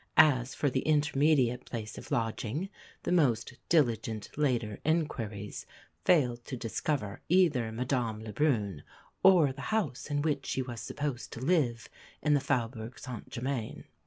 As for the intermediate place of lodging, the most diligent later enquiries failed to discover either Madame la Brune or the house in which she was supposed to live in the Faubourg St Germain.